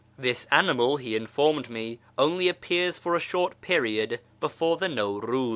This animal, he informed me, only I appears for a short period before the Nawruz.